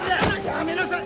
やめなさい！